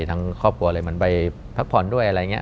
ทั้งครอบครัวเลยเหมือนไปพักผ่อนด้วยอะไรอย่างนี้